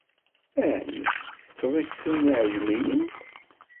Ɛni ttetteɣ aksum n yiɛejmiyen?